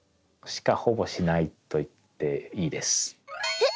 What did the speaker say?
えっ？